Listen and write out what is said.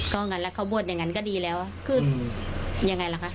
เขาบวชอย่างนั้นก็ดีแล้วคือยังไงล่ะคะ